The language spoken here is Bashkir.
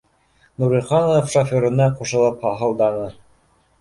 — Нуриханов шоферына ҡушылып һаһылданы